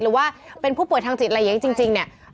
หรือว่าเป็นผู้ป่วยทางจิตอะไรอย่างนี้จริงเนี่ย